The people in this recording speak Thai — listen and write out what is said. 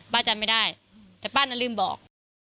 จำไม่ได้แต่ป้าน่ะลืมบอก